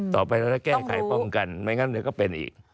ต่อไปเราจะแก้ไขป้องกันไม่งั้นเดี๋ยวก็เป็นอีก